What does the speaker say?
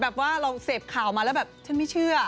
แบบว่าเราเสพข่าวมาแล้วแบบฉันไม่เชื่อ